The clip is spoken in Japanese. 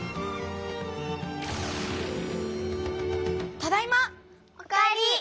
ただいま！お帰り！